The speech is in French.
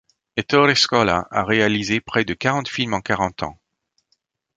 Ettore Scola a réalisé près de quarante films en quarante ans.